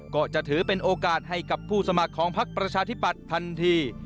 ก็จะถือเป็นโอกาสให้กับผู้สมัครของพักประชาธิปัตย์ทันที